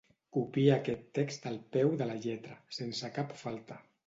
Copia aquest text al peu de la lletra, sense cap falta.